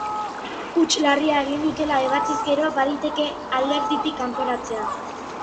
Huts larria egin dutela ebatziz gero, baliteke alderditik kanporatzea.